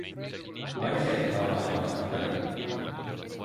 Naise enda oma ei maksa midagi?